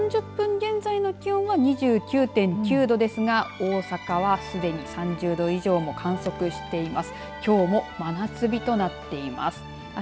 １時４０分現在の気温は２９．９度ですが大阪は、すでに３０度以上を観測しています。